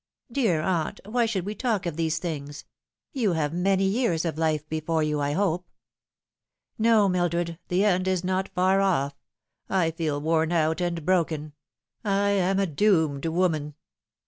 " Dear aunt, why should we talk of these things ? You have many years of life before you, I hope." "No, Mildred, the end is not far off. I feel worn out and broken. I am a doomed woman."